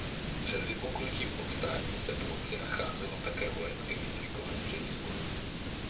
Před vypuknutím povstání se v obci nacházelo také vojenské výcvikové středisko.